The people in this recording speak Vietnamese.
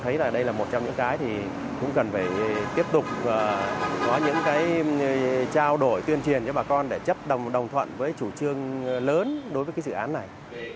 thấy là đây là một trong những cái thì cũng cần phải tiếp tục có những cái trao đổi tuyên truyền cho bà con để chấp đồng đồng thuận với chủ trương lớn đối với cái dự án này